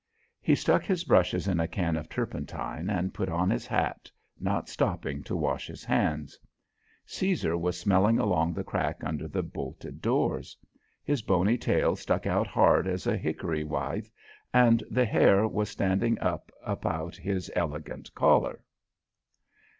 He stuck his brushes in a can of turpentine and put on his hat, not stopping to wash his hands. Caesar was smelling along the crack under the bolted doors; his bony tail stuck out hard as a hickory withe, and the hair was standing up about his elegant collar.